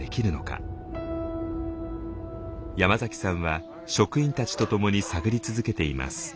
山崎さんは職員たちと共に探り続けています。